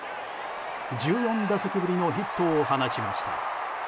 １４打席ぶりのヒットを放ちました。